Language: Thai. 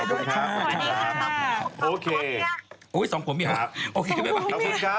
สวัสดีครับขอบคุณครับสวัสดีครับโอเคโอ้ยสองคนมีครับโอเคบ๊ายบาย